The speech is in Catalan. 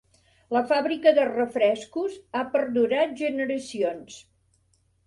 La fàbrica de refrescos ha perdurat generacions.